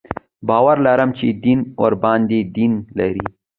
باور لري چې دین ورباندې دین لري.